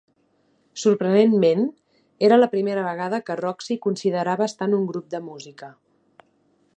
Sorprenentment, era la primera vegada que Roxy considerava estar en un grup de música.